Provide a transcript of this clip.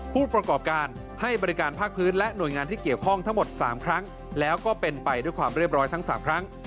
ผู้ประกอบการให้บริการภาคพื้นและหน่วยงานที่เกี่ยวข้องทั้งหมด๓ครั้งแล้วก็เป็นไปด้วยความเรียบร้อยทั้ง๓ครั้ง